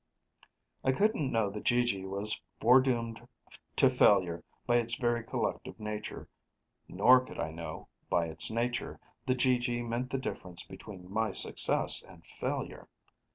I couldn't know the GG was foredoomed to failure by its very collective nature; nor could I know, by its nature, the GG meant the difference between my success and failure.